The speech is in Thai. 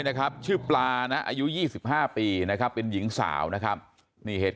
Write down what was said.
นะครับชื่อปลานะอายุ๒๕ปีนะครับเป็นหญิงสาวนะครับนี่เหตุ